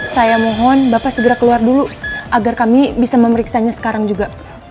saya mohon bapak segera keluar dulu agar kami bisa memeriksanya sekarang juga